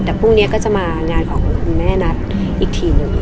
แต่พรุ่งนี้ก็จะมางานของคุณแม่นัทอีกทีหนึ่ง